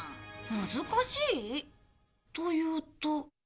難しい？というと。